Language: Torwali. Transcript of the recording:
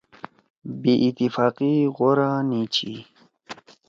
بےاتفاقی غورا نہ چھی۔